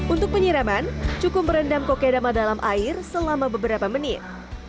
untuk penyiraman cukup merendam kokedama dalam air selama beberapa menit